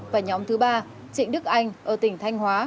và nhóm thứ ba trịnh đức anh ở tỉnh thanh hóa